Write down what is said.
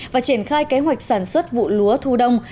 và triển khai kế hoạch sản xuất vụ lúa thu đông